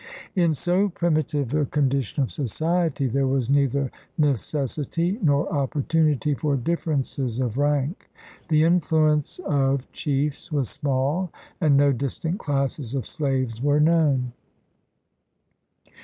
In so primitive a condi tion of society there was neither necessity nor op portunity for differences of rank. The influence 138 THE RED MAN'S CONTINENT of chiefs was small and no distinct classes of slaves were known.